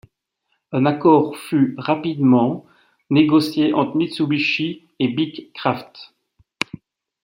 Un accord fut rapidement négocié entre Mitsubishi et Beechcraft.